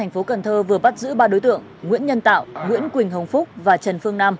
công an tp cn vừa bắt giữ ba đối tượng nguyễn nhân tạo nguyễn quỳnh hồng phúc và trần phương nam